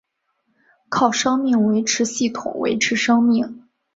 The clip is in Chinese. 靠生命维持系统维持生命。